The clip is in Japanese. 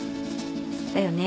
だよね。